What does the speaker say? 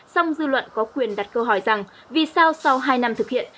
xong dư luận có quyền đặt câu hỏi rằng vì sao sau hai năm thực hiện